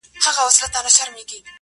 • د افغانستان د استقلال د ورځي -